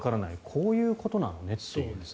こういうことなのねっていう。